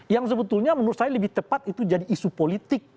yang sebetulnya menurut saya lebih tepat itu jadi isu politik